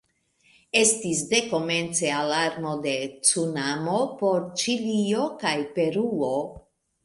Estis dekomence alarmo de cunamo por Ĉilio kaj Peruo.